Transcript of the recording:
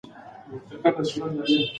اړخ له پاره کوي.